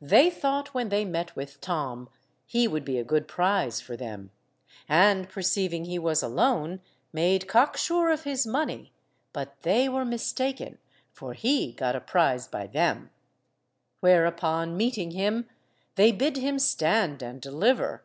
They thought when they met with Tom he would be a good prize for them, and, perceiving he was alone made cock–sure of his money, but they were mistaken, for he got a prize by them. Whereupon, meeting him, they bid him stand and deliver.